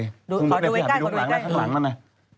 ขอดูให้ใกล้เออมีข้างบนเปล่าเหรอคุณพี่หาไปดูข้างหลังมานั่นไง